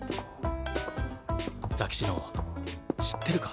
ザキシノ知ってるか？